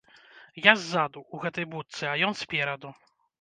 Я ззаду, ў гэтай будцы, а ён спераду.